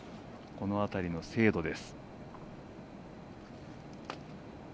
この辺りの精度です。